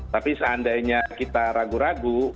tapi seandainya kita ragu ragu